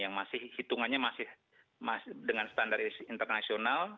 yang masih hitungannya masih dengan standar internasional